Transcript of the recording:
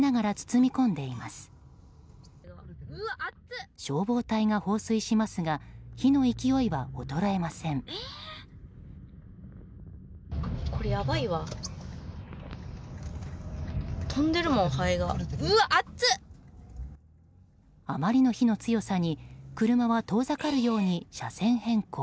あまりの火の強さに車は遠ざかるように車線変更。